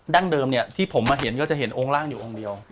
ั้งเดิมเนี่ยที่ผมมาเห็นก็จะเห็นองค์ร่างอยู่องค์เดียว